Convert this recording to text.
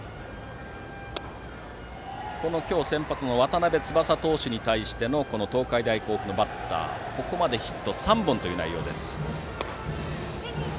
今日先発の渡邉翼投手に対して東海大甲府のバッターはここまでヒット３本という内容。